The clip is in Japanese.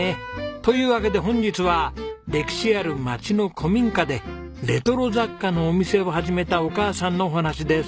というわけで本日は歴史ある町の古民家でレトロ雑貨のお店を始めたお母さんのお話です。